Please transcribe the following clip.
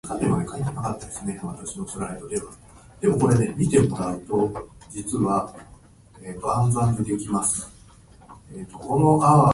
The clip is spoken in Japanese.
同じ考えや心をもった者は、相手の言動に気持ちが通じ合い、互いに相応じ合うということ。また、人の歌声や笛・琴の音などが、あたかも竜やとらのさけび声が天空にとどろき渡るように響くことをいう。